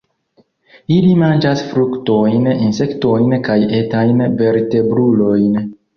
Ili manĝas fruktojn, insektojn kaj etajn vertebrulojn.